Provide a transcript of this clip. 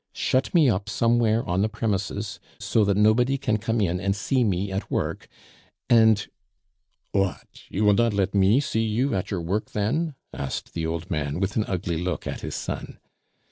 Shut me up somewhere on the premises, so that nobody can come in and see me at work, and " "What? you will not let me see you at your work then?" asked the old man, with an ugly look at his son.